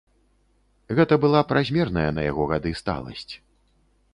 Гэта была празмерная на яго гады сталасць.